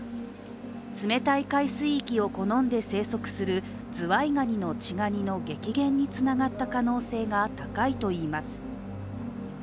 冷たい海水域を好んで生息するズワイガニの稚ガニの激減につながった可能性が高いといいます。